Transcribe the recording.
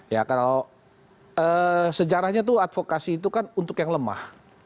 ya kalau sejarahnya tuh advokasi itu kan untuk yang lemah